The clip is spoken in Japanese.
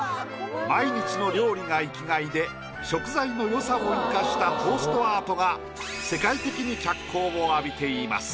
毎日の料理が生きがいで食材の良さを生かしたトーストアートが世界的に脚光を浴びています。